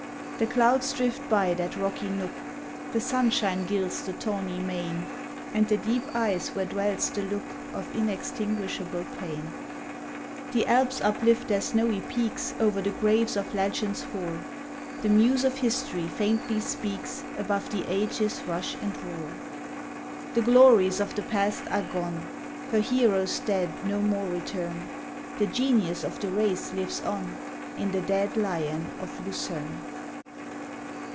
The clouds drift by that rocky nook, The sunshine gilds the tawny main, And the deep eyes where dwells the look Of inextinguishable pain. The Alps uplift their snowy peaks Over the graves of legends hoar, The muse of history faintly speaks Above the age's rush and roar. The glories of the past are gone, Her heroes dead no more return ; The genius of the race lives on In the dead Lion of Lucerne.